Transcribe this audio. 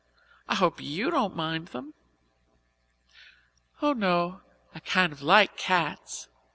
I hope you don't mind them." "Oh, no; I kind of like cats.